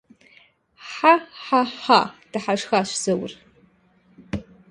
Хьэ-хьэ-хьа! - дыхьэшхащ Заур.